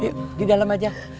yuk di dalam aja